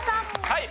はい。